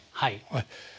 はい。